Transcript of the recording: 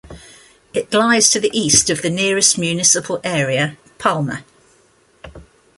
It lies to the East of the nearest municipal area, Palmer.